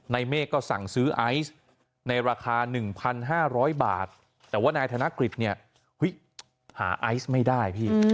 เมฆก็สั่งซื้อไอซ์ในราคา๑๕๐๐บาทแต่ว่านายธนกฤษเนี่ยหาไอซ์ไม่ได้พี่